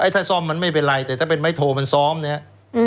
ถ้าซ่อมมันไม่เป็นไรแต่ถ้าเป็นไม้โทมันซ้อมเนี่ย